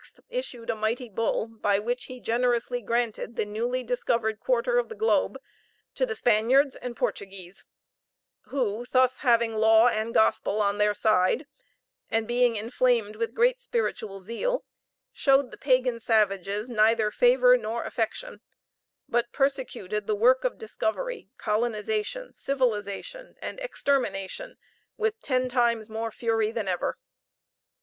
issued a mighty Bull, by which he generously granted the newly discovered quarter of the globe to the Spaniards and Portuguese; who, thus having law and gospel on their side, and being inflamed with great spiritual zeal, showed the pagan savages neither favor nor affection, but persecuted the work of discovery, colonization, civilization, and extermination with ten times more fury than ever.